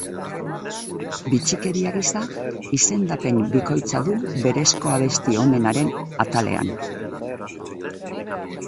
Bitxikeria gisa, izendapen bikoitza du berezko abesti onenaren atalean.